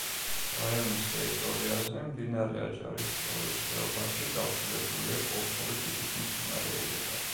რაიონის ტერიტორიაზე მდინარე აჭარისწყლის ხეობაში გავრცელებულია კოლხური ტიპის მცენარეულობა.